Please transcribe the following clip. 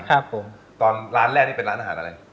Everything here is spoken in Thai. ครับผมตอนร้านแรกนี่เป็นร้านอาหารอะไร